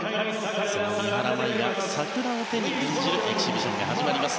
その三原舞依が桜を手に演じるエキシビションが始まります。